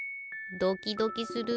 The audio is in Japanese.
ドキドキする。